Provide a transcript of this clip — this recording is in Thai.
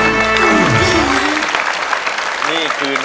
ร้องได้ให้ร้อง